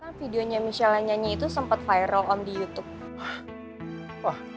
karena videonya michelle nyanyi itu sempat viral om di youtube